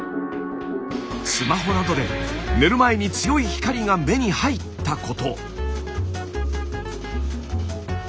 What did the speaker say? スマホなどで寝る前に強い光が目に入ったこと。